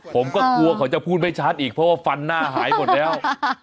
ผมก็กลัวเขาจะพูดไม่ชัดอีกเพราะว่าฟันหน้าหายหมดแล้ว